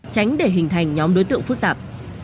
tránh để hình thành nhóm đối tượng phức tạp